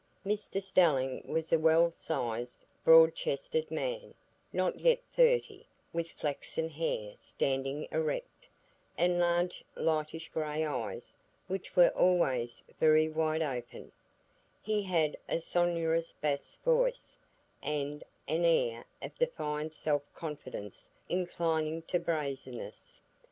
Mr Stelling was a well sized, broad chested man, not yet thirty, with flaxen hair standing erect, and large lightish gray eyes, which were always very wide open; he had a sonorous bass voice, and an air of defiant self confidence inclining to brazenness.